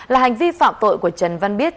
là hành vi phạm tội của trần văn biết